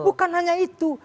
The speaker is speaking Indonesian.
bukan hanya itu